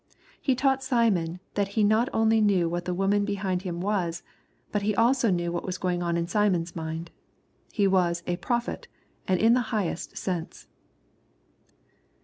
He taught Smion that He not only knew who the woman behind Him wasy but that He also knew what was going on in Simon's mind. He was " a prophet," and in the highest sense.